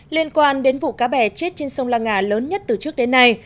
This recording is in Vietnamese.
liên quan đến vụ cá bè chết trên sông la nga lớn nhất từ trước đến nay